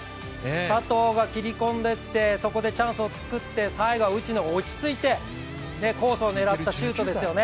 佐藤が切り込んでいってそこでチャンスを作って最後は内野が落ち着いてコースを狙ったシュートですよね。